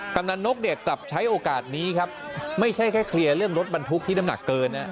กำลังนกเนี่ยกลับใช้โอกาสนี้ครับไม่ใช่แค่เคลียร์เรื่องรถบรรทุกที่น้ำหนักเกินนะ